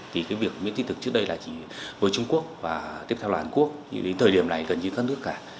thì cái việc miễn thị thực trước đây là chỉ với trung quốc và tiếp theo là hàn quốc đến thời điểm này gần như các nước cả